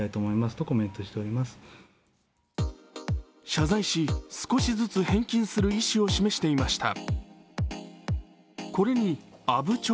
謝罪し、少しずつ返金する意思を示していました。